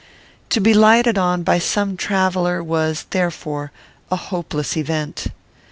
To be lighted on by some traveller was, therefore, a hopeless event.